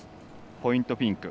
ポイント、フィンク。